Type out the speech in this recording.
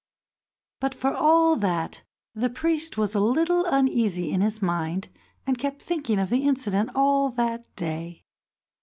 But for all that, the priest was a little uneasy in his mind, and kept thinking of the incident all that day.